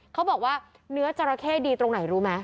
เขาบอกว่าเนื้อจราเข้ดีตรงไหนรู้ไหม